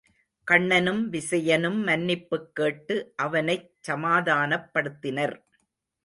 கண்ணனும் விசயனும் மன்னிப்புக் கேட்டு அவனைச் சமாதானப்படுத்தினர்.